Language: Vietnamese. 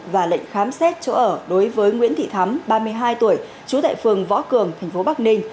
và lệnh khám xét chỗ ở đối với nguyễn thị thắm ba mươi hai tuổi trú tại phường võ cường tp bắc ninh